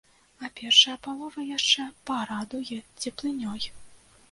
А першая палова яшчэ парадуе цеплынёй.